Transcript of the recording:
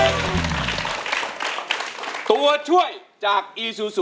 เพลงนี้สี่หมื่นบาทเอามาดูกันนะครับ